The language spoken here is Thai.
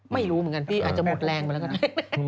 ไม่รู้เหมือนกันพี่อาจจะหมดแรงไปแล้วก็ได้